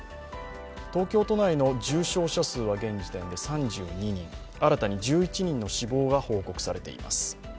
東京都内の重症者数は現在で３２人新たに１１人の死亡が報告されています。